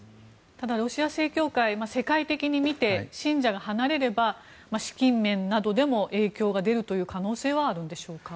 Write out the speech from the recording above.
ただ、ロシア正教会世界的に見て信者が離れれば資金面などでも影響が出るという可能性はあるんでしょうか？